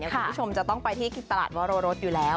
คุณผู้ชมจะต้องไปที่ตลาดวรรสอยู่แล้ว